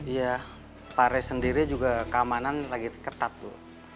iya paris sendiri juga keamanan lagi ketat tuh